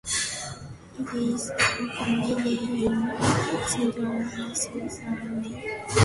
It is spoken mainly in central and Southern Mali.